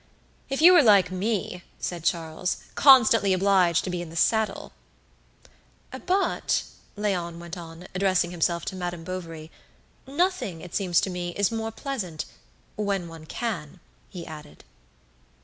"If you were like me," said Charles, "constantly obliged to be in the saddle" "But," Léon went on, addressing himself to Madame Bovary, "nothing, it seems to me, is more pleasant when one can," he added.